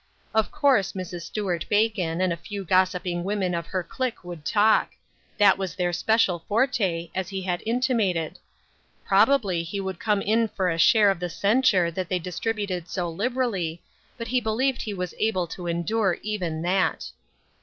Of course Mrs. Stuart Bacon and a few gossiping women of her clique would talk ; that was their special forte, as he had intimated ; probably he would come in for a share of the censure that they distributed so liberally, but he believed he was able to endure even that.